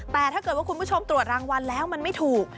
แต่ถ้าเกิดว่าคุณผู้ชมตรวจรางวัลแล้วมันไม่ถูก